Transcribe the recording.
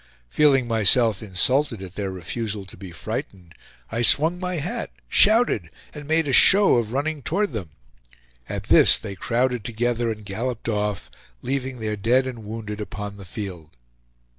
Feeling myself insulted at their refusal to be frightened, I swung my hat, shouted, and made a show of running toward them; at this they crowded together and galloped off, leaving their dead and wounded upon the field.